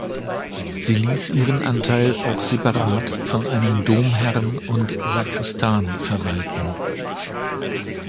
Sie liess ihren Anteil auch separat von einem Domherrn und Sakristan verwalten.